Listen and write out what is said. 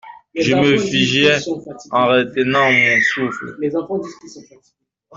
Je me figeai en retenant mon souffle.